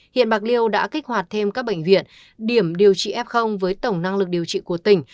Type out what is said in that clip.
hiện bạc liêu đã kích hoạt thêm các bệnh viện điểm điều trị f với tổng năng lực điều trị của tỉnh